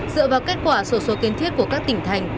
dựa vào kết quả sổ số kiến thiết của các tỉnh thành